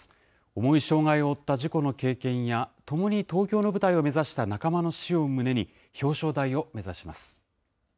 重い障害を負った事故の経験や、共に東京の舞台を目指した仲間の死を胸に、表彰台を目指します。